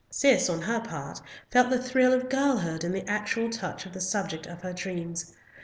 Cis, on her part, felt the thrill of girlhood in the actual touch of the subject of her dreams.